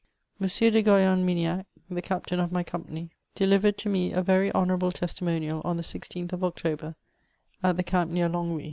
M. de Goyon Miniac, the captain of my company, delivered to me a. very honourable testimonial on the 16th of October, at the camp near Longwy.